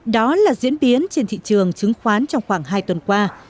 đó là diễn biến trên thị trường chứng khoán trong khoảng hai tuần qua